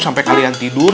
sampai kalian tidur